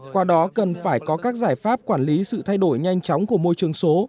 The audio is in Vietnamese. qua đó cần phải có các giải pháp quản lý sự thay đổi nhanh chóng của môi trường số